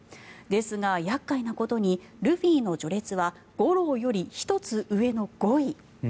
ですが、やっかいなことにルフィの序列はゴローより１つ上の５位。